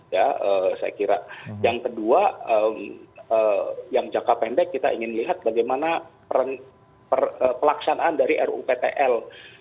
yang kedua yang jangka pendek kita ingin lihat bagaimana pelaksanaan dari ruptl dua ribu dua puluh satu dua ribu tiga puluh